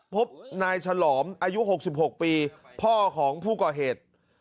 พบนายฉลอมอายุ๖๖ปีพ่อของผู้ก่อเหตุ